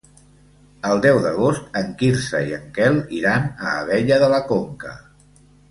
El deu d'agost en Quirze i en Quel iran a Abella de la Conca.